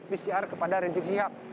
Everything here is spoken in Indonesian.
tes pcr kepada rizik siap